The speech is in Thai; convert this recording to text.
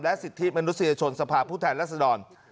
สิทธิมนุษยชนสภาพผู้แทนรัศดร